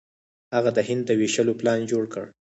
هغه د هند د ویشلو پلان جوړ کړ.